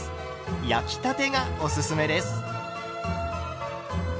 焼きたてがおすすめです。